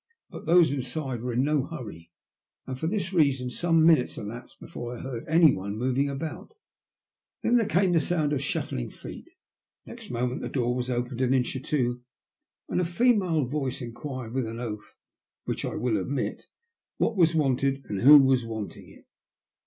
But those inside were in no hurry, and for this reason some minutes elapsed before I heard anyone moving about ; then there came the sound of shuffling feet, and next moment the door was opened an inch or two, and a female voice inquired with an oath — which I will omit — what was wanted and who was wanting it.